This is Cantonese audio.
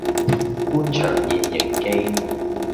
官場現形記